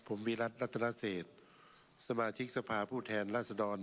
ผมวิรัติรัฐนาเศษสมาชิกสภาผู้แทนราษดร